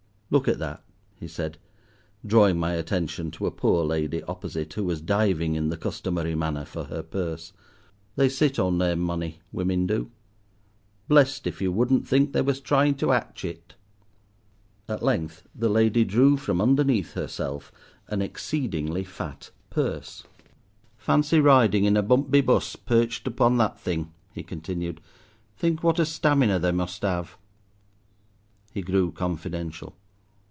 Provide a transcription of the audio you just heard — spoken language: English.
"Look at that," he said, drawing my attention to a poor lady opposite, who was diving in the customary manner for her purse, "they sit on their money, women do. Blest if you wouldn't think they was trying to 'atch it." At length the lady drew from underneath herself an exceedingly fat purse. "Fancy riding in a bumpby bus, perched up on that thing," he continued. "Think what a stamina they must have." He grew confidential.